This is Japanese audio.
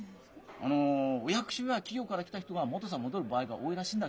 あのお役所や企業から来た人が元さ戻る場合が多いらしいんだ